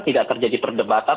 tidak terjadi perdebatan